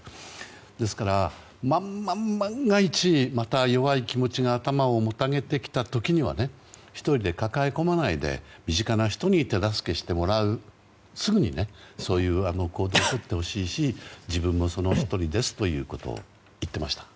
ですから万が一、また弱い気持ちが頭をもたげてきた時は１人で抱え込まないで身近な人に手助けしてもらうすぐにそういう行動をとってほしいし自分もその１人ですと言っていました。